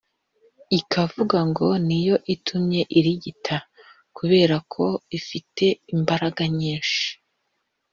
ikavuga ngo ni yo itumye irigita, kubera ko ifite imbaraga nyinshi.